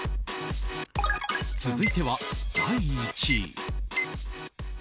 続いては第１位。